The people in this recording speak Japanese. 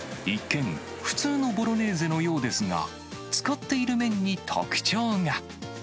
一見、普通のボロネーゼのようですが、使っている麺に特徴が。